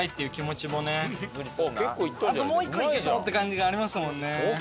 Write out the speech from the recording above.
あともう１個いけそうって感じがありますもんね。